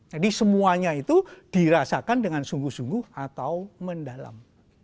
jadi semuanya itu dirasakan dengan sungguh sungguh atau mendalam